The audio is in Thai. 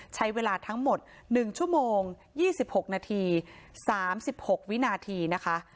ใช้เวลาทั้งหมด๑ชั่วโมง๒๖นาที๓๖วินาทีนะคะ